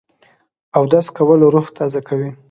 اودس کول روح تازه کوي